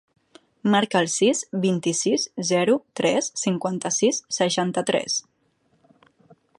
Marca el sis, vint-i-sis, zero, tres, cinquanta-sis, seixanta-tres.